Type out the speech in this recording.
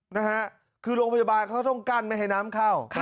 นะฮะคือโรงพยาบาลเขาต้องกั้นไม่ให้น้ำเข้า